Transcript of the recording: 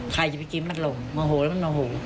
ใครจะไปกินมันลงมะหูแล้วมันมะหู